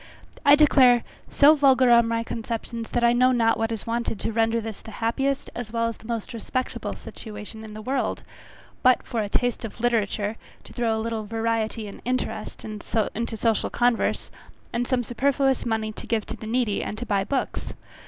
I declare, so vulgar are my conceptions, that I know not what is wanted to render this the happiest as well as the most respectable situation in the world, but a taste for literature, to throw a little variety and interest into social converse, and some superfluous money to give to the needy, and to buy books.